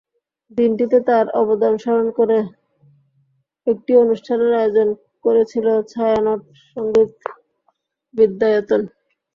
দিনটিতে তাঁর অবদান স্মরণ করে একটি অনুষ্ঠানের আয়োজন করেছিল ছায়ানট সংগীত বিদ্যায়তন।